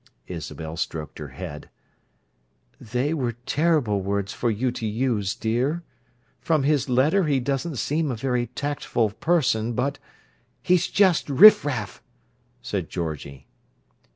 Isabel stroked his head. "They were terrible words for you to use, dear. From his letter he doesn't seem a very tactful person, but—" "He's just riffraff," said Georgie.